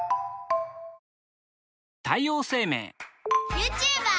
ユーチューバー！